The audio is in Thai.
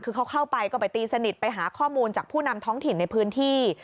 คือเขาเข้าไปก็ไปตีสนิทไปหาข้อมูลจากผู้นำท้องถิ่นในพื้นที่